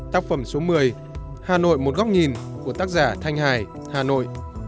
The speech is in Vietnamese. tác phẩm số một mươi hà nội một góc nhìn của tác giả thanh hải hà nội